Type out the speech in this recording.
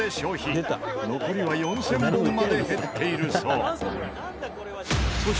残りは４０００本まで減っているそう。